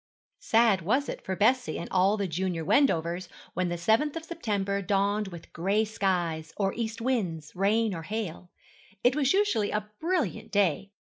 Sad was it for Bessie and all the junior Wendovers when the seventh of September dawned with gray skies, or east winds, rain, or hail. It was usually a brilliant day.